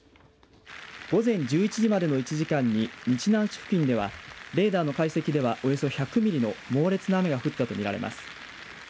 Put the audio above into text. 午前１１時までの１時間に日南市付近ではレーダーの解析では、およそ１００ミリの猛烈な雨が降ったとみられます。